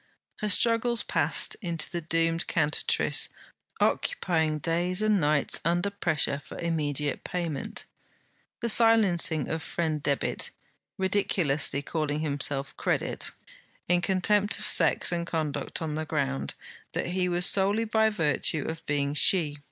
Her struggles passed into the doomed CANTATRICE occupying days and nights under pressure for immediate payment; the silencing of friend Debit, ridiculously calling himself Credit, in contempt of sex and conduct, on the ground, that he was he solely by virtue of being she.